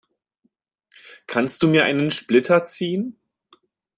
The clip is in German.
Kannst du mir einen Splitter ziehen?